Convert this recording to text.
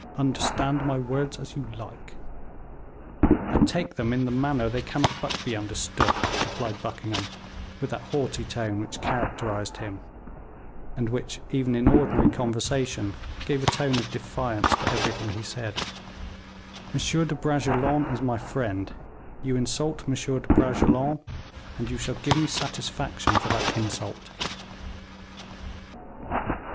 Understand my words as you like." "I take them in the manner they cannot but be understood," replied Buckingham, with that haughty tone which characterized him, and which, even in ordinary conversation, gave a tone of defiance to everything he said; "M. de Bragelonne is my friend, you insult M. de Bragelonne, and you shall give me satisfaction for that insult."